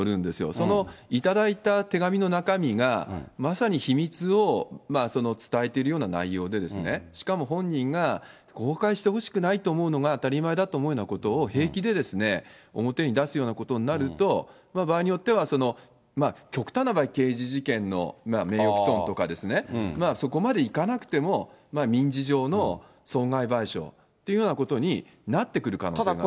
その頂いた手紙の中身が、まさに秘密を伝えているような内容で、しかも本人が公開してほしくないと思うのが当たり前だと思うようなことを、平気で表に出すようなことになると、場合によっては極端な場合、刑事事件の名誉毀損とか、そこまでいかなくても、民事上の損害賠償というようなことになってくる可能性があります。